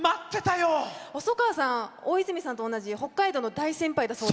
細川さん、大泉さんと同じ北海道の大先輩だそうで。